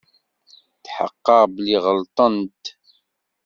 Tḥeqqeɣ belli ɣelṭen-t.